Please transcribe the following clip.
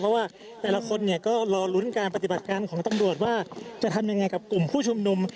เพราะว่าแต่ละคนเนี่ยก็รอลุ้นการปฏิบัติการของตำรวจว่าจะทำยังไงกับกลุ่มผู้ชุมนุม